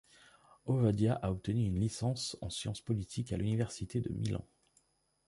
Ovadia a obtenu une licence en science politique à l'université de Milan.